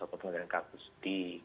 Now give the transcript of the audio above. atau penurunan kasus di